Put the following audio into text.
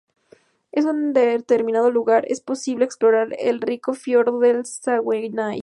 En un determinado lugar, es posible explorar el rico fiordo del Saguenay.